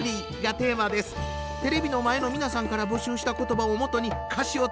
テレビの前の皆さんから募集した言葉を基に歌詞を作りました。